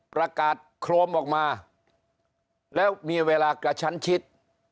ประกาศโครมออกมาแล้วมีเวลากระชั้นชิด